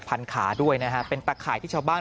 ขาด้วยนะฮะเป็นตะข่ายที่ชาวบ้าน